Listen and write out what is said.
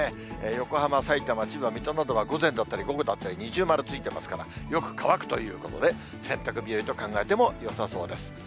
横浜、さいたま、千葉、水戸などは午前だったり午後だったり、二重丸ついてますから、よく乾くということで、洗濯日和と考えてもよさそうです。